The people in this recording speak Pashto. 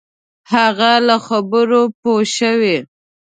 هغه له خبرو پوه شوی.